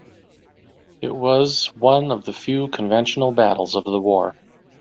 It was one of the few conventional battles of the war.